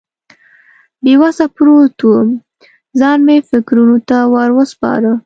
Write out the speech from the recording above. بې وسه پروت وم، ځان مې فکرونو ته ور وسپاره.